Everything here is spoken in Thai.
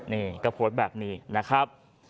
นี่ก็โพสต์แบบนี้นะครับ